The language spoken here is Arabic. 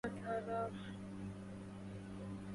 عفوا تعف نساؤكم في المحرم